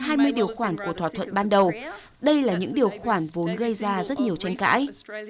trong hai mươi điều khoản của thỏa thuận ban đầu đây là những điều khoản vốn gây ra rất nhiều tranh cãi